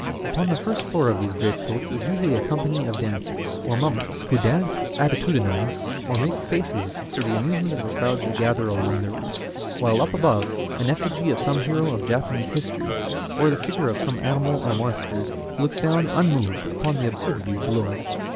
Upon the first floor of these great floats is usually a company of dancers, or mummers, who dance, attitudinize, or make faces for the amusement of the crowds that gather along their route; while up above, an effigy of some hero in Japanese history, or the figure of some animal or monster, looks down unmoved upon the absurdities below.